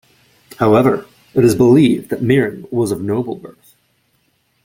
However, it is believed that Mirin was of noble birth.